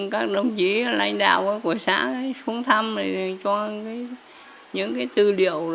các đồng chí lãnh đạo của xã không thăm cho những tư liệu